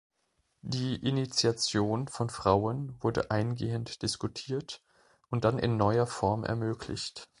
Die Initiation von Frauen wurde eingehend diskutiert und dann in neuer Form ermöglicht.